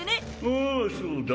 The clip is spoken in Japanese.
ああそうだ。